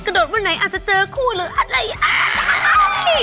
โดดวันไหนอาจจะเจอคู่หรืออะไร